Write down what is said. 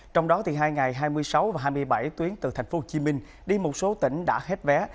trong đó thì hai ngày hai mươi sáu và hai mươi bảy tuyến từ thành phố hồ chí minh đi một số tỉnh đã hết vé